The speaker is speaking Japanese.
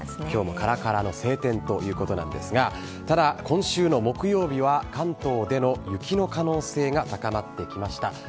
きょうもからからの晴天ということですが、ただ、今週の木曜日は、関東での雪の可能性が高まってきました。